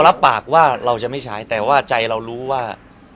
รับปากว่าเราจะไม่ใช้แต่ว่าใจเรารู้ว่า